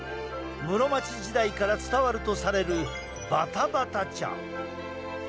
室町時代から伝わるとされるバタバタ茶。